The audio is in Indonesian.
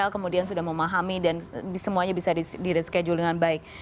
kemudian sudah memahami dan semuanya bisa di reschedule dengan baik